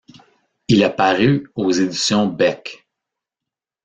Il a paru aux éditions Beck.